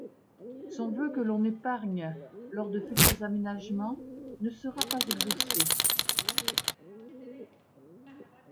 Son vœu que l’on épargne lors de futurs aménagements de ne sera pas exaucé.